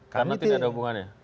karena tidak ada hubungannya